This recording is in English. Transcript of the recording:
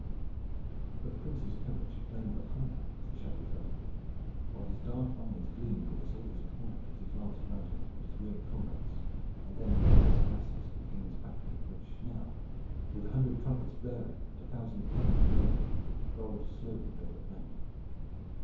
But the Prince's courage flamed the higher as the shadow fell, while his dark eyes gleamed with a soldier's pride as he glanced round him at his weary comrades, and then at the dense masses of the King's battle which now, with a hundred trumpets blaring and a thousand pennons waving, rolled slowly over the plain.